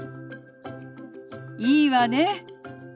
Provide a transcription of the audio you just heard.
いいわね。